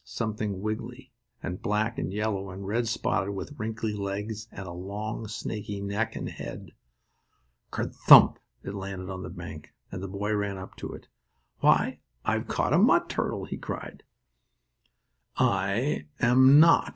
Something wiggily, and black and yellow and red spotted with wrinkly legs and a long snaky neck and head. "Ker thump!" it landed on the bank and the boy ran up to it. "Why, I've caught a mud turtle!" he cried. "I am not!"